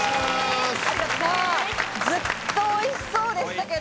ずっと美味しそうでしたけど。